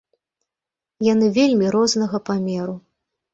Яны вельмі рознага памеру.